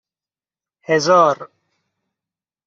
هزار